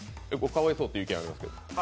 かわいそうっていう意見がありますよ。